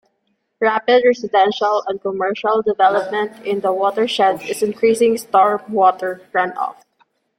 Rapid residential and commercial development in the watershed is increasing stormwater runoff.